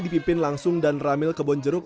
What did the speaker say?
dipimpin langsung dan ramil ke bonjeruk